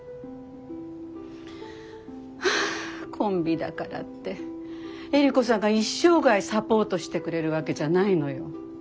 はぁコンビだからってエリコさんが一生涯サポートしてくれるわけじゃないのよ。